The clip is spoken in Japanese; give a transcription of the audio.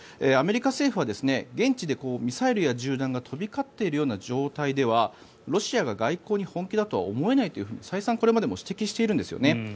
アメリカ政府は現地でミサイルや銃弾が飛び交っているような状態ではロシアが外交に本気だとは思えないと再三これまでも指摘しているんです。